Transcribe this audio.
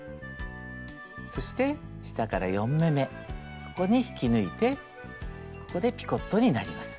そして下から４目めここに引き抜いてここでピコットになります。